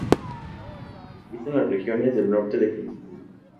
Habita en las regiones del norte de California.